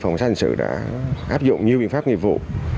phòng xác hành sự đã áp dụng nhiều biện pháp nghiệp vụ